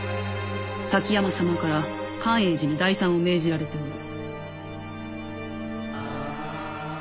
滝山様から寛永寺に代参を命じられておる。